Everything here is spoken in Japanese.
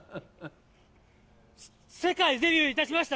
世界デビューいたしました？